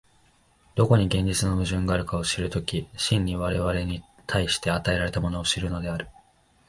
どこに現実の矛盾があるかを知る時、真に我々に対して与えられたものを知るのである。